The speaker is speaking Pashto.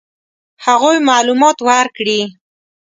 هغوی معلومات ورکړي.